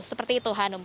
seperti itu hanum